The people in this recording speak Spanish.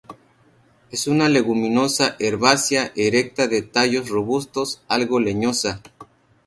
Es una leguminosa herbácea erecta de tallos robustos, algo leñosa.